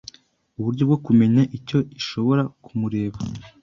uburyo bwo kumenya Icyo ishobora kumureba"